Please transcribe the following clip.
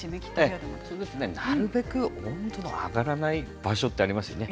なるべく温度が上がらない場所というのがありますね。